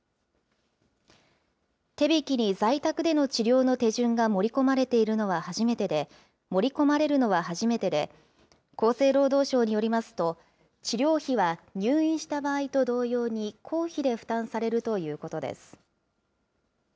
手引に在宅での治療の手順が盛り込まれるのは初めてで、厚生労働省によりますと、治療費は入院した場合と同様に公費で負担されるということです。